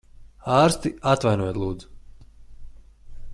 Ārsti! Atvainojiet, lūdzu.